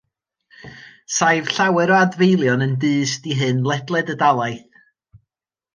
Saif llawer o adfeilion yn dyst i hyn ledled y dalaith.